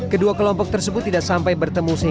kedua kelompok tersebut tidak sampai bertemu